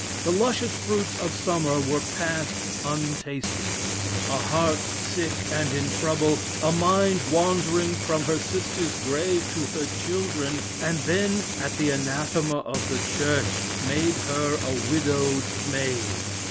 The luscious fruits of summer were passed untasted. A heart sick and in trouble, a mind wandering from her sister's grave to her children, and then at the anathema of the Church, made her a widowed maid.